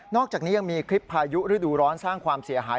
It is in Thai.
อกจากนี้ยังมีคลิปพายุฤดูร้อนสร้างความเสียหาย